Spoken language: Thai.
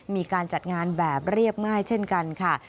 มีการจัดงานแบบเรียบง่ายเช่นกันค่ะ